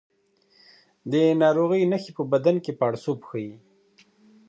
د ناروغۍ نښې په بدن کې پاړسوب ښيي.